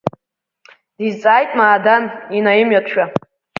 Дизҵааит Маадан инаимҩатәшәа.